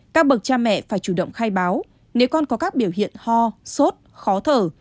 các bậc cha mẹ phải chủ động khai báo nếu con có các biểu hiện ho sốt khó thở